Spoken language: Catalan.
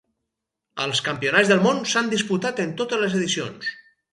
Als Campionats del Món s'han disputat en totes les edicions.